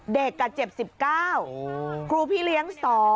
เด็กเจ็บ๑๙ครูพี่เลี้ยง๒